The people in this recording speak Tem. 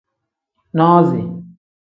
Nozi.